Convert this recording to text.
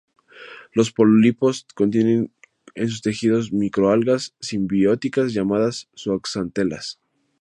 Los pólipos contienen en sus tejidos microalgas simbióticas llamadas zooxantelas.